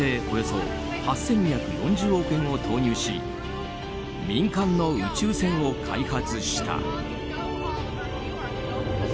およそ８２４０億円を投入し民間の宇宙船を開発した。